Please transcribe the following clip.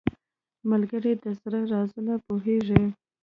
ملګری د زړه رازونه پوهیږي